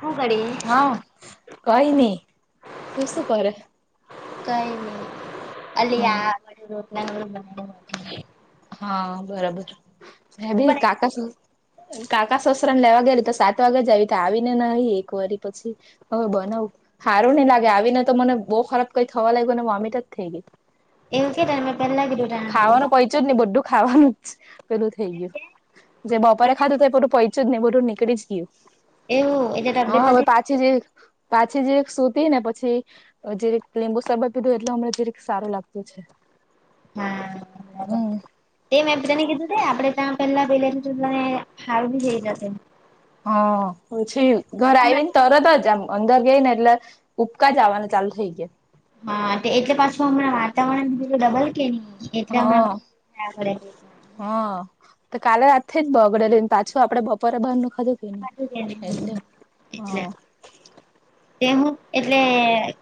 હું કરીએ? હા, કઈ ની તું શું કરે? કઈ ની, અલી હમ આ [inaudible] હા બરાબર, મે શું ભી બનાવી? કાકા કાકા સસરા ને લેવા ગયેલી તો સાત વાગે જ આવી ને એક વાર નાઈ પછી. હવે બનાવ હારું ની લાગે આવીને તો મને બો ખરાબ કઈ થવા લાગ્યું ને વોમિટ જ થઈ ગઈ. એવું કે મેં તને પહેલા કીધું તને કે હું ખાવાનો પૈચો જ નહી બધું ખાવાનું જ પેલું થઈ ગયું બનાવીશ. જે બપોરે ખાધું તો એ પેલું પ ને બધું નીકળી જ ગયું. એવું એટલે તબિયત નથી સારી. પછી જે પાછી જે સૂતી ને પછી અ જે રીત લીંબુ સબા પીધું એટલે હમં જે રતે સારું લાગતું છે. હમ એ મેં તને કીધું તે આપણે ત્યાં પેલા પેલે તો તને હાર બી થઈ જશે. હા હછી ઘર આઈવી? તરત જ આમ અંદર ગઈ ને એટલે ઉપકા જ આવવાને ચાલુ થઈ ગયા. હા એટલે પાછું હમણાં વાતાવરણ બી ડબલ કે નહી એટલે હમણાં પડે. હ, તો કાલે રાત થી જ બગડેલુ ને પાછું આપડે બપોરે બહાર ન ખાધું. કે નહી એટલે [inaudible] એટલે. હા તે હું એટલે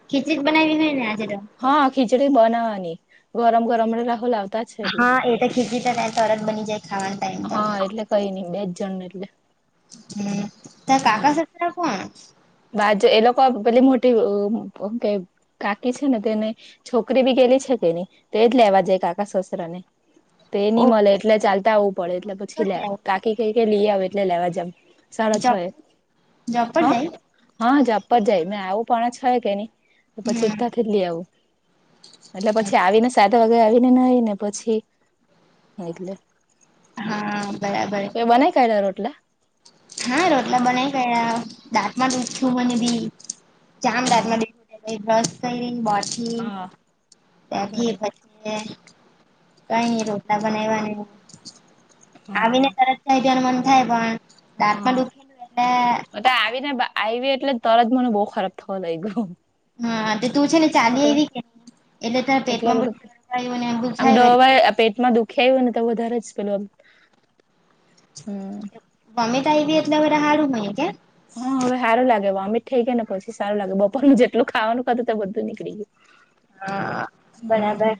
ખીચડીક બનાવી હોય ને આજે તો. હા ખીચડી બનાવાની ગરમ ગરમ રાહુ લાગ. હા એ તો ખીચડી તો તરત બની જાય ખાવાનું. હા એટલે કઈ નઈ બે જ જણને એટલે. હમ્મ તા હા કાકા સાચરા કોણ? બાજુ એ લોકો પેલી મોટી હું કે કાકી છે ને તેને છોકરી બી ગેલી છે કેની તોજ લેવા જાય કાકા સસરા ને. તે ઓ ની મળે એટલે ચાલતા આવવું પડે એટલે પર પછી લે જાય કાકી કઈ કે લઈ આવે એટલે લેવા જામ. સાડા છ જોબ એ જોબ હ, પર જાય હા જોબ પર જાય મે આવું પણ છ કે ની. તો, પછી હમ તાથી જ લી આવુ. એટલે પછી આવીને સાત વાગે, આવીને નાઈ ને, પછી એટલે હા, બરાબર. એ, બનાય કાયલા રોટલા. હા, રોટલા બનાવી કાયરા, દાંત માં દુખ્યું મને બી. જામ રાાત હા માં બેઠું બ્રશ કરીો હા ત્યાંથી બરોબર પછી ને, કાઈ ની રોટલા બનાયવાને આવીને હા તરત જઈ દવાનું મન થાય પણ, દાંત માં દુખી ને તાઆવીને આવી એટલે, તરત મને બહુ ખરાબ થવા લઈ ગય હા, તું છે ને, ચાલી આવી કે, એટલે ત પેટમાં બધું જળકાયું ને આમ થાય. પેટમાં દુખી આવ હોય ને, તો વધારે જ પેલું હમ મમ્મે તો આયવી એટલે તો, હવે હારુ પડયુ કે. હા, હવે સારું લાગે વોમિટ થઈ ગય ને, પછી સારું લાગે બપોરનું જેટલું ખાવાનું ખાું તો બધું નીકળી ગયું. હ. હા, બરાબર.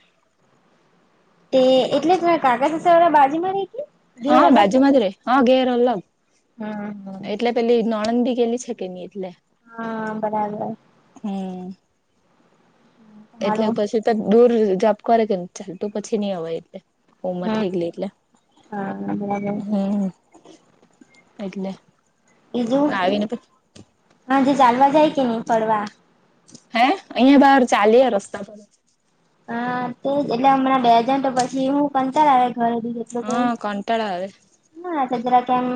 તે, એટલે જ કાકાશેવાળા બાજી માં રહીકી હા, બાજુમાં જ રે હા, ઘેર અલગ હમ હમ. એટલે પેલી નણંદ ભી ગેલી છે. કે, એટલે હા, બરાબર. હમ એટલે, હારું પછી તો દૂર જપ કર કે, ચાલતું પછી નઈ અવાય એટલે ઉંમર હા થેગલી એટલે, બરાબર હમ. એટલે બીજું, આવીને પછી હાજે ચાલવા જાય કે નહી? ફરવા. હે, અહિયાં બાર ચાલીય રસ્તા પર. હા, તે એટલે, હમણાં બે જન તો, પછી હું કંતાળ આવે ઘરે દીધ હા કંટાળો આવે હમ, હ, જરાક-જરાક એમ,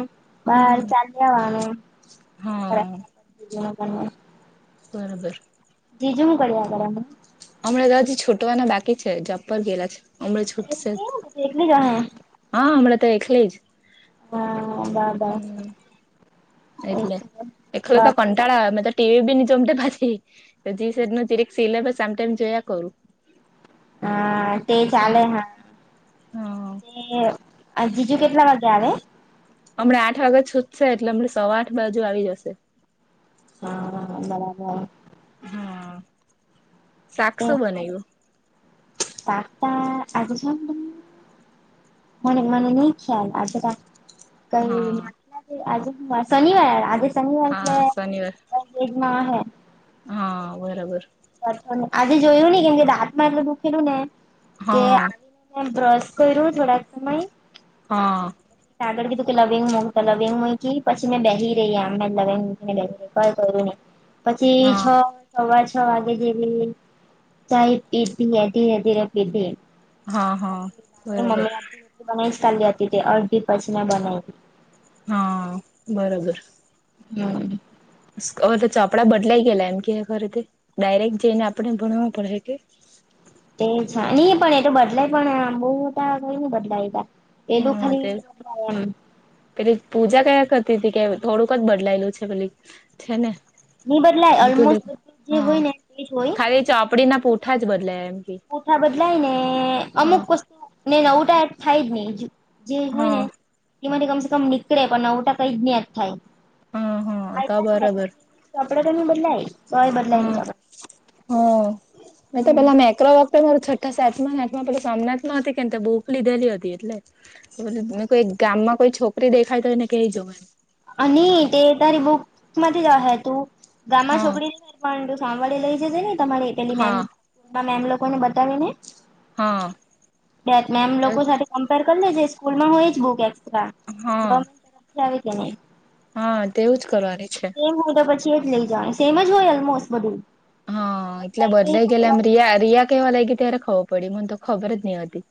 બાર હમ. ચાલીયા વાનું. હા [unintelligible] બરોબર. જીજું, હું કરીયા કરે? અમના. અમના દત્ત છૂટવાના બાકી છે, જોબ પર ગેલા છે, અમના છૂટ સે. એવું કે તું એકલી જ અહે હા, હમણાં તો એકલી જ. હા, બાહ-બાહ હમ એટલે, એખલુ તો કંટાળ આવે, મે તો ટીવી બી ની જોમ તે પાછી. તોી ન જેીરે સિલે બસ આમ ટાઈમ જોયા કરું. હા, તે ચાલે હા. હા જીજુ કેટલા વાગે આવે? હમણા આઠ વાગ્યા છૂટશે, એટલે હમને સવા આઠ બાજુ આવી જશે. હા, બરાબર. હા, શાક શું બનાય્યું? પાથ તા આવે છે કે? મને-મને ન ખ્યાલ આજરા હા કઈ આજે શનિવાર? આજે શનિવાર એટલે હા શનિવાર એક ના, હૈ. હા બરાબર. [unintelligible] આજે જોયું નહીં કેમ કે રાાત માં એટલે દુખેલું ને કે હા [unintelligible] એમ બ્રશ કર્યું થોડાક સમય. હા. આગળ કીધું કે લવિંગ મૂક તો લવિંગ મૂઈકી, પછી મે બેહી રેઈ એમ, મે લવિંગ મૂકીને બેહી રેઈ. [unintelligible] કરું નહીં. પછી હા છ અવાજ છ વાગે [unintelligible] ચાય પીધી એ ધીરે-ધીરે પીધી. હા, હા, બરબર. [unintelligible] અડધી પછી મે બનાઈ. હા બરોબર. હમ્મ. એટલે ચોપડા બદલાઈ ગયેલા એમ કે [unintelligible] ડાયરેક્ટ જઈને આપણે ભણવું પડે હે કે. એ [unintelligible] પણ એ તો બદલાય પણ બહુ [unintelligible] એટલું હા ખાલી તે [unintelligible] પેલી પૂજા કહ્યા કરતી તી કે થોડુંક જ બદલાયેલું છે પેલી છે ને. નહી બદલાય ઓલમોસ્ટ બધું [unintelligible] જે હા. હોય ને તે જ હોય ખાલી ચોપડી ના પુઠ ઠા જ બદલાયાં એમ. કે પૂંઠા બદલાય ને હા અમુક વસ્તુ ને નવું તો એડ થાય ની જ. જે હોય હા ને એમાંથી કમસે કમ નીકળે પણ નવું ટો કંઈ જ નહીં એડ થાય. હમ્મ-હમ્મ. તો ફાયદા જ થાય બરોબર. બાકી ચોપડા [unintelligible] બદલાઈ તોય બદલાઈ નહીં હા ચોપડા. હા. મે તો હમ પેલા [unintelligible] [unintelligible] મારું છઠ્ઠા, સાતમાં ને આઠમા પેલું સોમનાથમાં હતી ને તયે તો બુક લીધેલી હતી એટલે. મતલબ ને કોઈ ગામમાં કોઈ છોકરી દેખાય તો એને કહી [unintelligible] અની તે તારી બુક માંથી જ અહે તું. ગામમાં હા છોકરી [unintelligible] પરંતું સાંભળી લઈ જજે ને તમારી પેલી મેમ હા માં મેમ લોકોને બતાવી ને. હા બેત મેમ લોકો સાથે કમ્પેર કર લેજે, સ્કૂલમાં હોય જ બુક એક્સ્ટ્રા. હા [unintelligible] આવે કે નહીં. હા તેવું જ કરવાની છે. સેમ હું તો પછી એ જ લઈ જવાની. સેમ જ હોય ઓલમોસ્ટ બધું. હા. એટલે બદલાય બદલાઈ કે ગયેલા એમ રિયા-રિયા કહેવા લાઈગી ત્યારે ખબર પડી, મને તો ખબર જ નહીં હતી.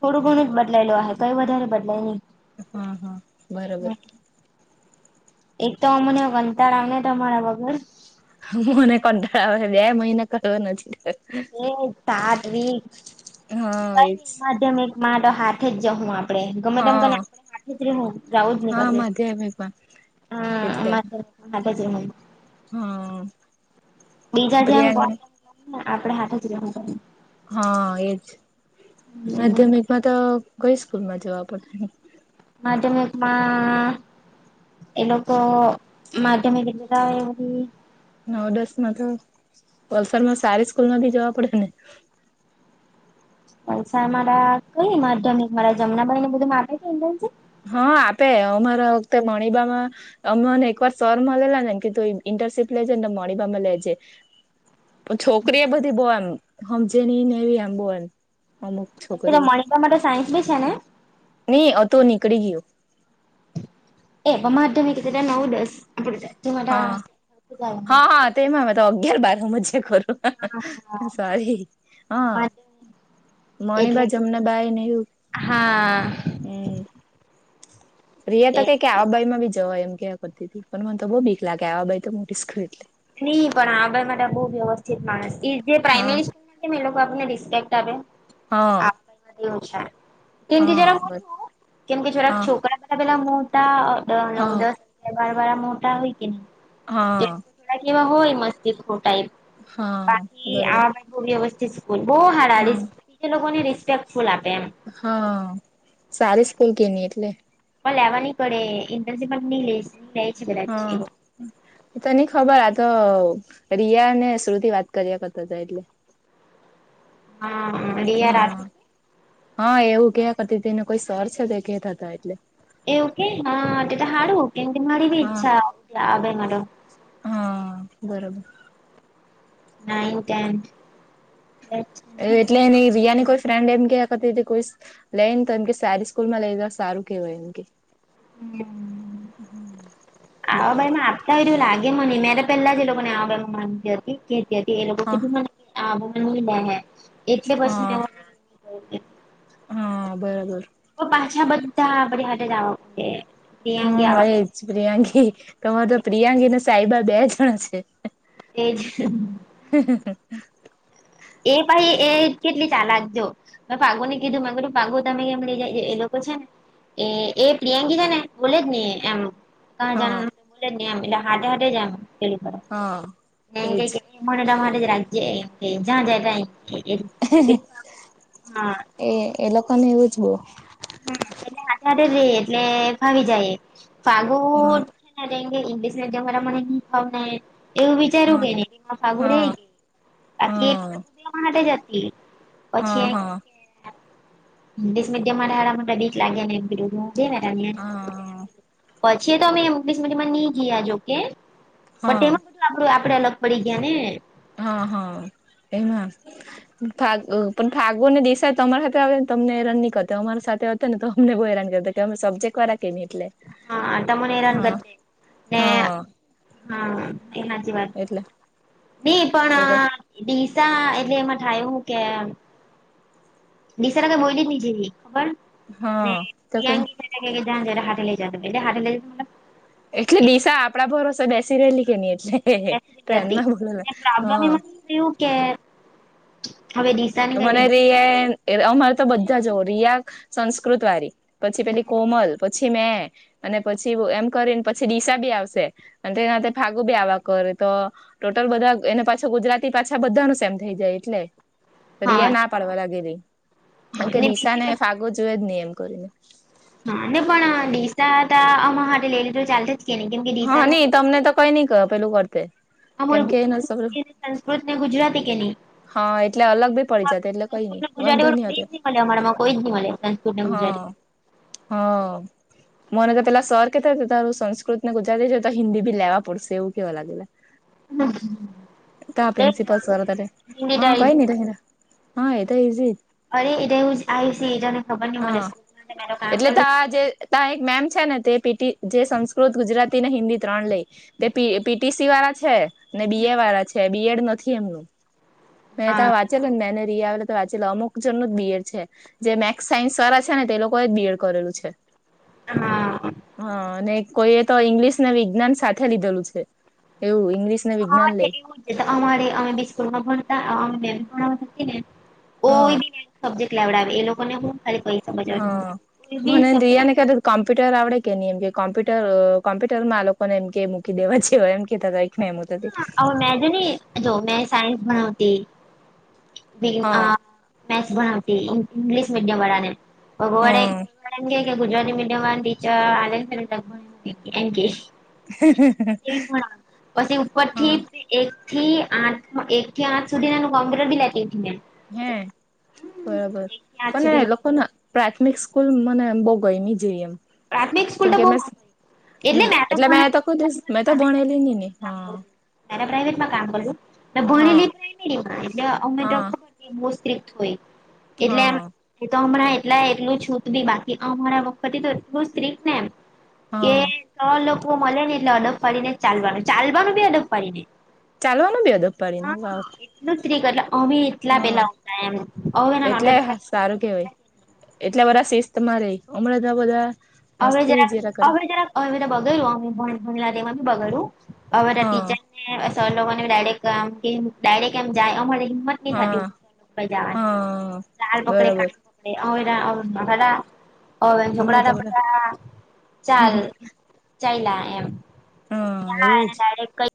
થોડું ઘણું જ બદલાયેલું હે, કોઈ વધારે બદલાય નહીં. હમ્મ-હમ્મ બરોબર. એક તો અમને કંટાળાવ ને તમારા વગર. [unintelligible] હા એજ [unintelligible] માધ્યમિકમાં તો હાથે જમવામાં હા હા પણે [unintelligible] માધ્યમિકમાં હા. [inaudible] હમ્મ. બીજા જેમ [inaudible] આપડે હાથે જ રહેવું પડે. હા એજ. હમ માધ્યમિકમાં તો કંઈ સ્કૂલમાં જવા પડે? માધ્યમિકમાં એ લોકો માધ્યમિક [unintelligible] નવ દસ માં તો વલસાડમાં સારી સ્કૂલ માંથી જવા પડે ને. [unintelligible] મારા કંઈ માધ્યમિક મારા જમનાબાઈને બધું [unintelligible] હા આપે અમારા વખતે મણિબામાં અમોને એકવાર સર મલેલા ને કેધું ઇન્ટર્નશીપ લેજે તો મણીબામાં લેજે. પણ છોકરી એ બધી બો એમ હમજે ની ને એવી એમ બો એમ અમુક. પેલા છોકરીઓ મણિબામાં તો સાયન્સ બી છે ને. ની હતું નીકળી ગીયું. એ હમણાં તો મેં કીધું કે નવ દસ. હા-હા-હા તેમાં મેં તો અગિયાર બાર હમજીયા કરું. સોરી હ. એટલે મણીબા જમના બાય ને એવું હા હમ્મ. પ્રિયા તો એ કેય કે આવા બાઈ માં બી જવાય એમ કહ્યા કરતી હતી પણ મને તો બહુ બીક લાગે આવા બાઈ તો મોટી સ્કૂલ એટલે. નહી પણ આવા બાઈ માં તો બહુ વ્યવસ્થિત માણસ જે હા પ્રાઇમરી કેમ એ લોકો આપને રિસ્પેક્ટ આપે હા આપ એવુ છે. તેનથી જરા હા બર છું કેમકે જરાક હા છોકરા પેલા મોટા નવ હા દસ. અગિયાર બાર વાળા મોટા હોય કે ની. હા. થોડા કેવા હોય મસ્તીદ ખોટા ટાઈપ હા બાકી બરોબર આવા બાઈ બો વ્યવસ્થિત સ્કૂલ બોહ હારી હા લોકોને રિસ્પેક્ટફૂલ આપે એમ. હા સારી સ્કૂલ કેની એટલે. પણ લેવા ની પડે ઇન્ટર્નશિપ પણ ન લે લે છે કદાચ હા એઓ. એ તો નઈ ખબર આતો રિયા અને શ્રુતિ વાત કર્યા કરતો હતો એટલે. હા-હા રીયા હા. રાઠોડ. હા એવું કિયા કરતી તી ને કોઈ સર છે તે કેતા હતા એટલે. એવુ કે હા તે તો હારુ કેમ કે મારી બી હા ઈચ્છા આવે એમાં તો. હા બરોબર. નાઈન્થ, ટેન્થ એજ. એટલે એની રિયા ની કોઈ ફ્રેન્ડ એમ કિયા કરતી કોઈ સ્કૂ લઈ ને તો એમ કે સારી સ્કૂલ માં લેજો સારું કેહેવાય એમ કે. હમ્મ. એટલે. આહવા બાઈ આપતા હો તેવું લાગે મને મેતો પેલા જ એ લોકો ને આહવા બાઈ માં માનતી હતી. કતી હતી એ લોકો હા કીધું મને આ નહી લે હે એટલે પછી હા. તેઓ. હા બરાબર. પણ પાછા બધા આપડી હાથે જ આવા કુદે હે. હા એજ પ્રિયાંકી તમારે તો પ્રિયાંકીને સાઈબા બે જણા છે. એજ. હહહ. એ પાહી એ કેટલી ચાલાક જો. મેં પાગુ ને કીધુંમાં કધું પાગુ તમે કેમ લઈ જાય એ એ લોકો છે ને. એ એ પ્રિયાંકી છે ને બોલે જ ને એમ. કહાં જવાના હા એમ પૂછે જ ની આમ એટલે હાથે-હાથે જ એમ પેલું કરો. હા. ને એક કહે એજ કે મને તમાર હાથે જ રાખજે એમ કેહ જ્યાં જાય તા એમ કેહ. હે હે એ એ લોકોને એવું જ બો. હમ્મ એટલે હાથે-હાથે રેય એટલે ફાવી જાય ફાગુ હા એમ કેહ ઈગ્લિશ મીડિયમ વાળા મને ની ફાવતે. એવું વિચારવું હા કે નહી ફાગુ રેય હા બાકી એ હા ફાગુ તો મારા હાથે જ હતી. હા પછી હા ઇંગલિશ મીડિયમ વાળા હારા. બીક લાગ્યા એને હ [unintelligible] પછી એ તો અમે ઇંગ્લીશ મીડિયમાં ની ગયા જોકે બટ હા તેમાં આપડું આપડે અલગ પડી ગયા ને હા હા એમાં [unintelligible] ને દિસા એ તમારી સાથે આવેને તમને હેરાની કરતા હોય અમાર સાથે તને હમને બવ હેરાન કરતા કે હમે સબજેક્ટ વારા કેમ કે એટલે હા તમને હા હેરાનગત ને હા હા એ સાચી વાત એટલે ની એ પણ ડીસા એટલે એમાં થાય એવું કે દિશારા તો બોલી બી જઈએ ખબર ને હા તો કે જા હાથેઈ એ હા લ [unintelligible] એટલે દિશા આપડા ભરોસે બેસી રહેેલી કે નઈ એટલે ટ્રેનમાં બોલો હ એવું કે હવે દિશા ને કઈ મને બીજ રિયા અમારે તો બધા જ રિયા સંસ્કૃત વરી પછી પેલી કોમલ પછી મેં અને પછી એમ કરીને પછી ડીસા બી આવશે અને તેના ફાગુ બી આવા કરે તો ટોટલ બધા એને પાછા ગુજરાતી પાછા બધા ન સેમ થઈ જાય એટલે હા રિયા ના પાડવા લાગીરિ કારણ કે ડીસા બીજી ને વસ્તુ ફાગો જોએ જ નહી એમ કરીને હા ને પણ ડીસા તો આમાર હતે ચાલશે જ કે નહી કેમ કે ડીસા હા નું નહી તમને તો કઈ નઈ કહે પેલું વરતે અમારે એ સંસ્કૃત ને ગુજરાતી કે નહી હા એટલે અલગ બી પડી જતા એટલે કઈ નઈ [unintelligible] વાંધો ગુજરાતી કોઈજ હતો નહી મળે અમારા માં કોઈ જ નહી મળે [unintelligible] જાય હ મને પેલા સર કે તું સંસ્કૃત ને ગુજરાતી છેતો હિન્દી ભી લેવા પડશે એવ કેવા લાગેલા લઈ ત પ્રિન્સીપાલ સર લેવાના ત્યારે હિન્દી હા કઈ તો રહીલા હા એતો ઇઝી અરે એવુ આઈ સી એવું જ આવી છે એને ખબર નઈ મને સ્કૂલ મે કામ કર્યું આજે તા એક મેમ છે ને તે પીટી જે સંસ્કૃત ગુજરાતી ને હિન્દી ત્રણ લઈ તે પી પીટીસી વાળા છે. ને બી એ વાળા છે બી એડ નથી એમનું મે ત હા વાત મેનેરિયા આવે તો વાચે અમુક જનો જ બીએડ છે જે મે સાયન્સ વાળા છે ને તે લોકો એ જ બીએડ કરેલું છે હા હા અને કોઈ એ તો ઈંગ્લિશ ને વિજ્ઞાન સાથે લીધેલું છે એવું ઇંગ્લિશ હા એવું જ છે અમારે અમે બિસ્કૂલમાં ભણતા [unintelligible] ઓ હા બી સબ્જેક્ટ લેવડાવે એ લોકોને હું ખાલી પૈસા બચાવવા હા કોઈ બી મનેન સબ્જેક્ટ રિયાને ક કોમ્પ્યુટર આવડે કે નહી એમ કે કોમ્પ્યુટર કોમ્પ્યુટરમાં આલોકોને એમ કે મૂકી દેવા જે હો એમ કેતાતા [unintelligible] હા [unintelligible] મેન જો મેં સાયન્સ ભણાવતી મે હા મેથ્સ ભણાવતી ઇંગ્લિશ મીડિયમ વાળા ને ભગવળે હમ એ કે ગુજરાતી મીડિયમ ટીચર આ [unintelligible] પણ પછી ઉપરથી હા એક થી આઠ એક થી આઠ સુધી એનું કોમ્પ્યુટર બી લેતીતી મેં હે બરાબર એક થી આઠ પણ સુધી હ નું લોકા ના. પ્રાથમિક સ્કૂલ મને બો ગઈની જયે એમ પ્રાથમિક સ્કૂલ તો બો. હમ્મ એટલે મેં તો કોઈ દિવસ મેં તો ભણેલી નહી હા. એને પ્રાાઈવેટમાં કામ કરલુ હા ભણેલી પ્રાઈમેરીમાં એટલે અમે તો હા બો સ્ટ્રીક હોય એટલે એમ. હા એ તો હમણાં એટલા એટલું છૂત બી બાકી અમારા વખતે તો એટલું સ્ત્રીક ને એ કે હા ત્રણ લોકો મળે ને એટલે અડબ વાળીને ચાલવાનું ચાલવાનું ભી અડબ વારીને ચાલવાનું અડબ વારીને વાવ એ સ્ત્રી કર એટલે અવે એટલા હા પેલા એમ અવે એટલે ના. સારું કેવાય એટલા બધા શિસ્ત માં રહે હમણાં ના બધા હવે મસ્તી જરા જેરા કરે હવે જરા હવે બગ્યું અમે ભ ભલા તેમાં બી બગાડું હવે હા ટીચર સર લોકો ને ડાયરેકમ આમ કે આમ ડાયરેક્ટ એમ જાય અમારે. થતી [unintelligible] હવે તો હા હા બરાબર બધા ઓવેન હમણાં તો છોકરા. બધા હ ચાલ હ ચાયલા એમ હા એવું એને જ ડાયરેક કઈ